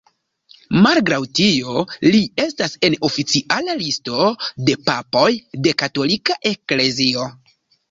Malgraŭ tio, li estas en oficiala listo de papoj de katolika eklezio.